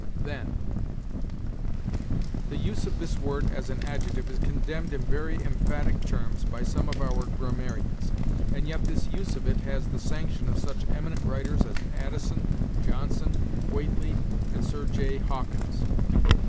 THEN. The use of this word as an adjective is condemned in very emphatic terms by some of our grammarians, and yet this use of it has the sanction of such eminent writers as Addison, Johnson, Whately, and Sir J. Hawkins.